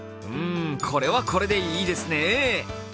これはこれでいいですね。